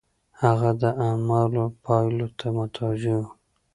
هغه د اعمالو پايلو ته متوجه و.